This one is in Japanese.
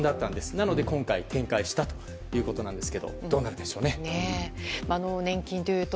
なので今回、展開したということなんですけどどうなるんでしょうね。